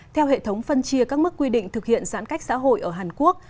theo hệ thống phân chia các mức quy định thực hiện giãn cách xã hội ở hàn quốc